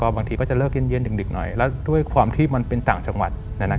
บางทีก็จะเลิกเย็นดึกหน่อยแล้วด้วยความที่มันเป็นต่างจังหวัด